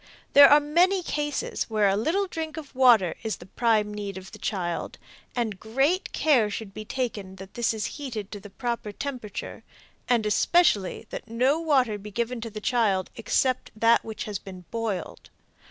There are many cases where a little drink of water is the prime need of the child, and great care should be taken that this is heated to the proper temperature, and especially that no water be given to the child except that which has been boiled.